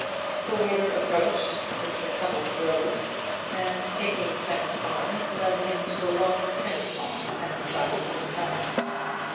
The waiter approached. Mr. Cupples rose, and taking Trent's arm led him to a long tennis lawn at the side of the hotel.